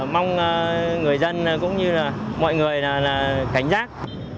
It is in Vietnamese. mong người dân cũng như là mọi người là cảnh giác